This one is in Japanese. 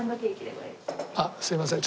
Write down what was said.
あっすいません。